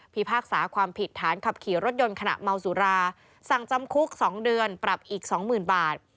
พากษาความผิดฐานขับขี่รถยนต์ขณะเมาสุราสั่งจำคุก๒เดือนปรับอีกสองหมื่นบาท